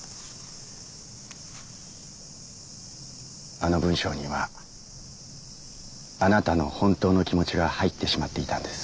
あの文章にはあなたの本当の気持ちが入ってしまっていたんです。